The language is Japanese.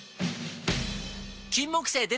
金木犀でた！